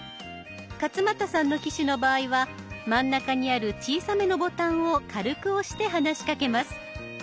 勝俣さんの機種の場合は真ん中にある小さめのボタンを軽く押して話しかけます。